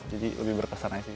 jadi lebih berkesan aja